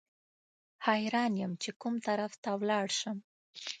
حیران یم چې کوم طرف ته ولاړ شم.